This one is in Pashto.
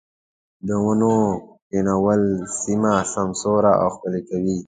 د ونو کښېنول سيمه سمسوره او ښکلې کوي.